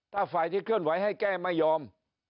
ถ้าฝ่ายที่เคลื่อนไหวให้แก้ไม่ยอม